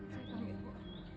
saya tahu ibu